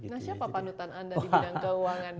nah siapa panutan anda di bidang keuangan